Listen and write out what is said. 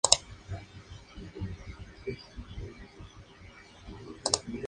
El tratamiento seleccionado depende del diagnóstico y de la severidad del dolor.